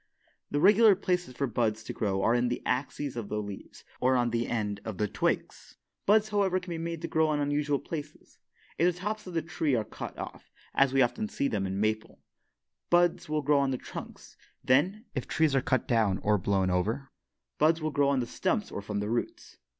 The regular places for buds to grow are in the axes of the leaves or on the end of the twigs. Buds, however, can be made to grow on unusual places. If the tops of the tree are cut off, as we often see them in the maple, buds will grow on the trunks. Then, if trees are cut down or blown over, buds will grow on the stumps or from the roots.